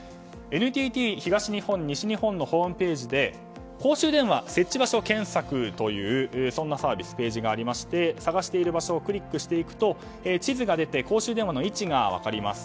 ＮＴＴ東日本・西日本のホームページで公衆電話設置場所検索というサービス、ページがありまして探している場所をクリックしていきますと地図が出て公衆電話の位置が分かります。